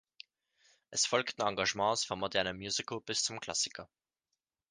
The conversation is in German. Es folgten Engagements vom modernen Musical bis zum Klassiker.